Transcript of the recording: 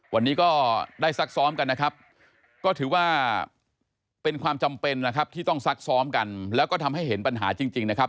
วันนี้ก็ได้ซักซ้อมกันนะครับก็ถือว่าเป็นความจำเป็นนะครับที่ต้องซักซ้อมกันแล้วก็ทำให้เห็นปัญหาจริงนะครับ